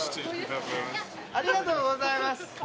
ありがとうございます。